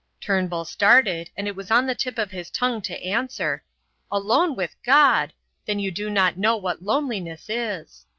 Turnbull started, and it was on the tip of his tongue to answer: "Alone with God! Then you do not know what loneliness is."